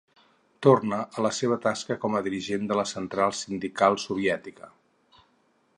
Tornà a la seva tasca com a dirigent de la central sindical soviètica.